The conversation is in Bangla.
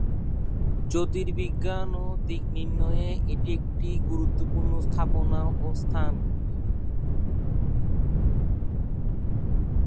জ্যোতির্বিজ্ঞান ও দিক নির্ণয়ে এটি একটি গুরুত্বপূর্ণ স্থাপনা ও স্থান।